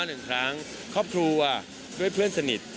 หนึ่งครั้งครอบครัวด้วยเพื่อนสนิท